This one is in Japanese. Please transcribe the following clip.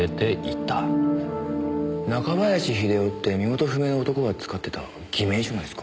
中林秀雄って身元不明の男が使ってた偽名じゃないですか。